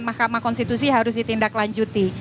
mahkamah konstitusi harus ditindak lanjuti